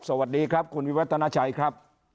สวัสดีครับคุณวิวัฒนาชัยครับ